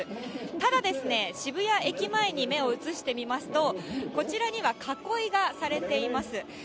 ただ、渋谷駅前に目を移してみますと、こちらには、囲いがされています。